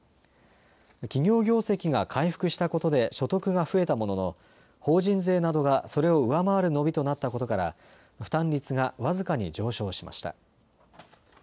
企業業績が回復したことで所得が増えたものの法人税などがそれを上回る伸びとなったことから負担率が僅かに上昇しました。